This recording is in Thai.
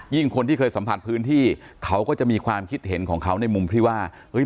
คนที่เคยสัมผัสพื้นที่เขาก็จะมีความคิดเห็นของเขาในมุมที่ว่า